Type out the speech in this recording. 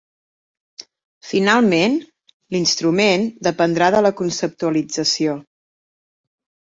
Finalment, l'instrument dependrà de la conceptualització.